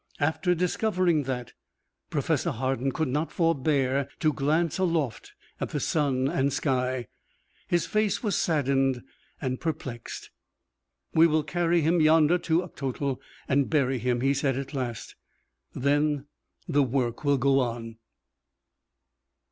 After discovering that, Professor Hardin could not forbear to glance aloft at the sun and sky. His face was saddened and perplexed. "We will carry him yonder to Uctotol and bury him," he said at last; "then the work will go on."